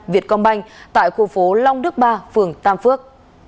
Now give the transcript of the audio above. việt công banh tại khu phố long đức ba phường tam phước